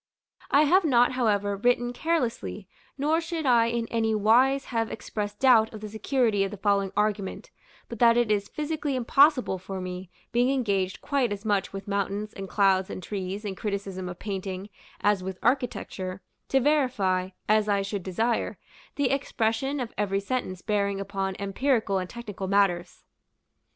I have not, however, written carelessly; nor should I in any wise have expressed doubt of the security of the following argument, but that it is physically impossible for me, being engaged quite as much with mountains, and clouds, and trees, and criticism of painting, as with architecture, to verify, as I should desire, the expression of every sentence bearing upon empirical and technical matters.